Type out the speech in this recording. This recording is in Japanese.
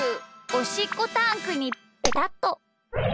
おしっこタンクにペタッと。